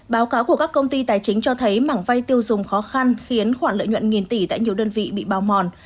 báo cáo của các công ty tài chính cho thấy mảng vay tiêu dùng khó khăn khiến khoản lợi nhuận nghìn tỷ tại nhiều đơn vị bị bao mòn